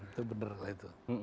itu bener lah itu